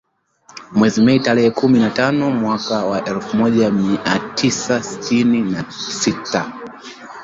Mwezi Mei, tarehe kumi na tano mwaka wa elfu moja mia tisa sitini na sita.